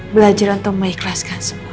belajar untuk mengikhlaskan semuanya